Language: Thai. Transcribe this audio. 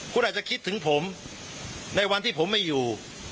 คุณอาจจะคิดถึงผมในวันที่ผมไม่อยู่